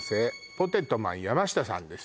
ポテトマン山下さんです